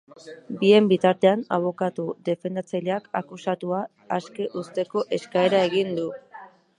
Bien bitartean, abokatu defendatzaileak akusatua aske uzteko eskaera egin du.